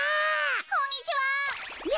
こんにちは。